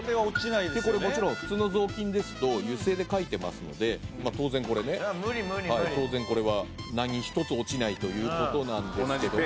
でこれもちろん普通の雑巾ですと油性で書いてますので当然これね当然これは何一つ落ちないという事なんですけども。